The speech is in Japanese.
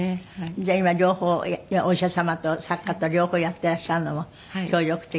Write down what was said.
じゃあ今両方お医者様と作家と両方やっていらっしゃるのも協力的？